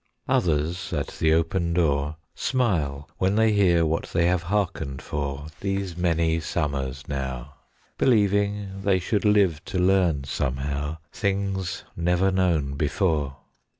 Others at the open door Smile when they hear what they have hearkened for These many summers now, Believing they should live to learn somehow Things never known before.